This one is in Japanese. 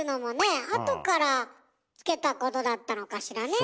後からつけたことだったのかしらね？